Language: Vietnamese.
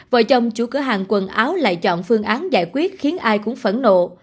vợ chồng chủ cửa hàng quần áo lại chọn phương án giải quyết khiến ai cũng phẫn nộ